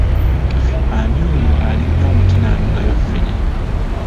Ani oyo alinnye omuti n’anogayo ffene?